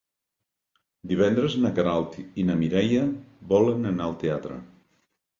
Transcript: Divendres na Queralt i na Mireia volen anar al teatre.